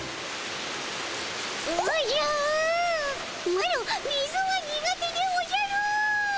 マロ水は苦手でおじゃる。